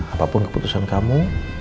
apa pun keputusan kamu